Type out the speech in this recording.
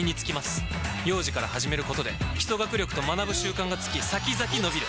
幼児から始めることで基礎学力と学ぶ習慣がつき先々のびる！